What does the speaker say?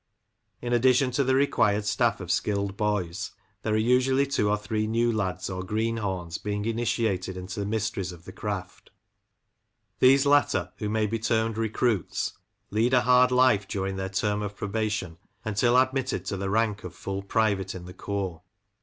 In addition to the required staff of skilled boys, there are usually two or three new lads, or "greenhorns," being initiated into the mysteries of the craft ; these latter, who may be termed recruits, lead a hard Lancashire Factory D offers. $i life during their term of probation until admitted to the rank of full private in the corps.